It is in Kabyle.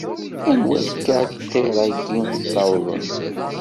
Anwa akka ṭṭir-agi ssawḍen?